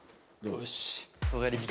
よし。